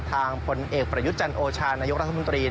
ทางพลเอกปฤยุติจันทร์โอชาไนยกรัฐมนตรี